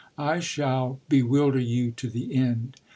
I shall bewilder you to the end.